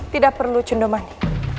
tidak perlu cundomani